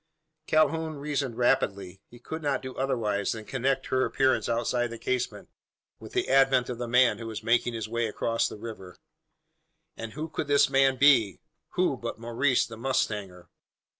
Calhoun reasoned rapidly. He could not do otherwise than connect her appearance outside the casement with the advent of the man who was making his way across the river. And who could this man be? Who but Maurice the mustanger?